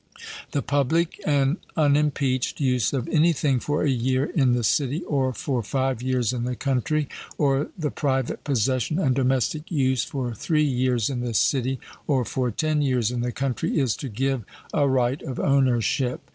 The public and unimpeached use of anything for a year in the city, or for five years in the country, or the private possession and domestic use for three years in the city, or for ten years in the country, is to give a right of ownership.